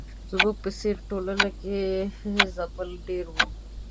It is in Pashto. زموږ په څېر ټولنه کې ځپل ډېر وو.